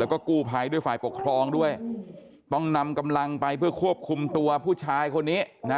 แล้วก็กู้ภัยด้วยฝ่ายปกครองด้วยต้องนำกำลังไปเพื่อควบคุมตัวผู้ชายคนนี้นะ